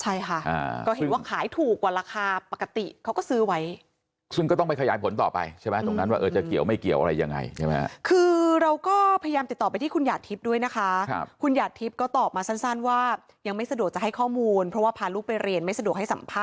ใช่ค่ะก็เห็นว่าขายถูกกว่าราคาปกติเขาก็ซื้อไว้